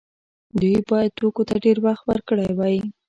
دوی باید توکو ته ډیر وخت ورکړی وای.